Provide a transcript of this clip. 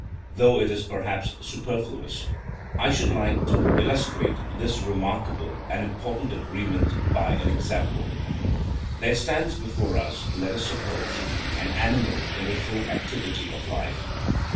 Though it is perhaps superfluous, I should like to illustrate this remarkable and important agreement by an example. There stands before us, let us suppose, an animal in the full activity of life.